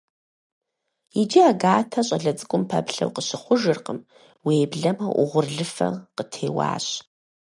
Иджы Агатэ щӀалэ цӀыкӀум цыпэплъу къыщыхъужыркъым, уеблэмэ угъурлыфэ къытеуащ.